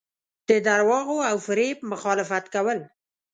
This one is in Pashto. د درواغو او فریب مخالفت کول.